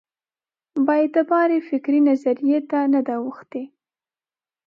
بااعتبارې فکري نظریې ته نه ده اوښتې.